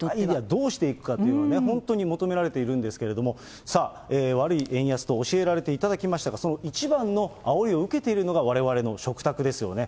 どうしていくかというのは本当に求められているんですけれども、さあ、悪い円安と教えていただきましたが、その一番のあおりを受けているのが、われわれの食卓ですよね。